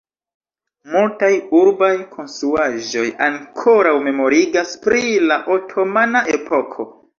Multaj urbaj konstruaĵoj ankoraŭ memorigas pri la otomana epoko.